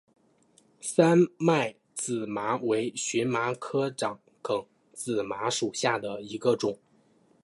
三脉紫麻为荨麻科长梗紫麻属下的一个种。